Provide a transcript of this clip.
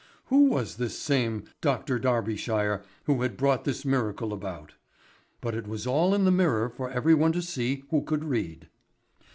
Who was this same Dr. Darbyshire who had brought this miracle about? But it was all in the Mirror for everyone to see who could read.